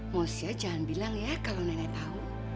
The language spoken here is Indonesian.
mosha jangan bilang ya kalau nenek tahu